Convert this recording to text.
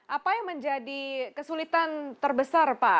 apa yang menjadi kesulitan terbesar pak